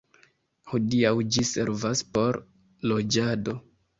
Hodiaŭ ĝi servas por loĝado.